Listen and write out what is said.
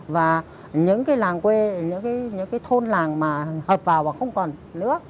và những làng quê những thôn làng mà hợp vào và không còn nữa